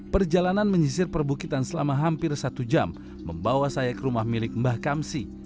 perjalanan menyisir perbukitan selama hampir satu jam membawa saya ke rumah milik mbah kamsi